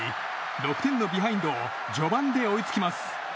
６点のビハインドを序盤で追いつきます。